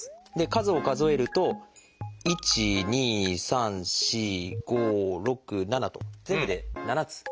数を数えると１２３４５６７と全部で７つ。